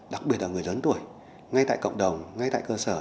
đặc biệt là người lớn tuổi ngay tại cộng đồng ngay tại cơ sở